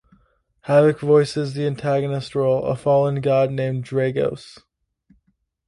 Havok voices the antagonist role, a fallen god named Dragos.